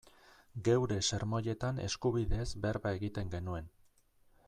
Geure sermoietan eskubideez berba egiten genuen.